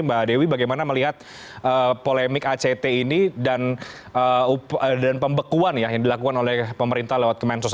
mbak dewi bagaimana melihat polemik act ini dan pembekuan ya yang dilakukan oleh pemerintah lewat kemensos